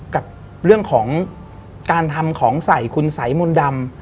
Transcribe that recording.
กับเรื่องของการทำของใส่คุณสัยมนต์ดำ